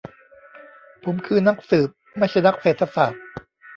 ผมคือนักสืบ ไม่ใช่นักเศรษฐศาสตร์